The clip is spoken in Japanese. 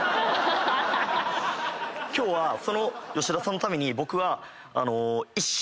今日はその吉田さんのために僕は。